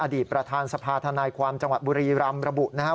ประธานสภาธนายความจังหวัดบุรีรำระบุนะครับ